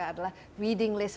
ada kabar yang andwas